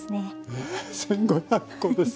えっ⁉１，５００コですか。